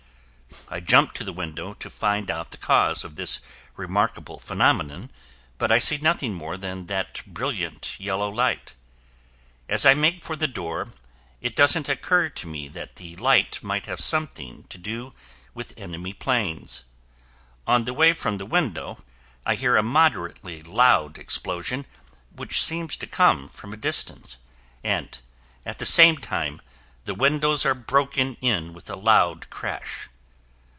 I jump to the window to find out the cause of this remarkable phenomenon, but I see nothing more than that brilliant yellow light. As I make for the door, it doesn't occur to me that the light might have something to do with enemy planes. On the way from the window, I hear a moderately loud explosion which seems to come from a distance and, at the same time, the windows are broken in with a loud crash.